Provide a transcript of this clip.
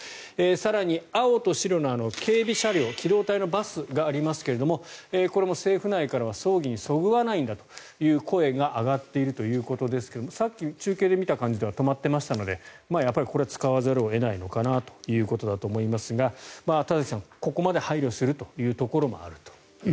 更に、青と白の警備車両機動隊のバスがありますがこれも政府内からは葬儀にそぐわないんだという声が上がっているということですがさっき、中継で見た感じでは止まってましたのでやっぱりこれは使わざるを得ないのかなということだと思いますが田崎さん、ここまで配慮するところがあると。